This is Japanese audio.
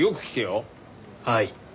はい。